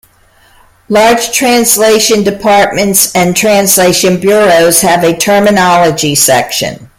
Large translation departments and translation bureaus have a "Terminology" section.